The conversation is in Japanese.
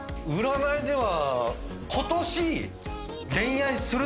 占いでは。